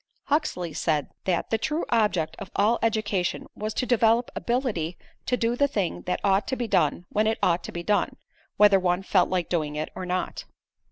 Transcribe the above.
Huxley said that: "The true object of all education, was to develop ability to do the thing that ought to be done when it ought to be done, whether one felt like doing it or not."